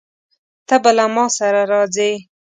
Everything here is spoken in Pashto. ته به له ما سره راځې؟